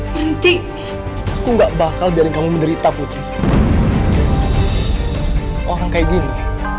mending aku nggak bakal biarkan menderita putih orang kayak gini